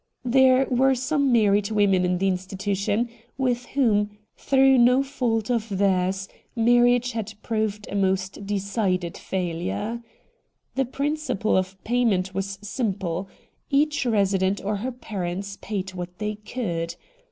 There were some married women in the institution, with whom, through no fault of theirs, marriage had proved a most decided failure. The principle of payment was simple — each resident or her parents paid what they could.